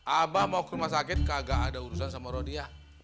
abah mau ke rumah sakit kagak ada urusan sama rodiah